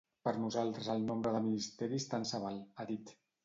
Per nosaltres el nombre de ministeris tant se val, ha dit.